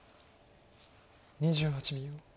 ２８秒。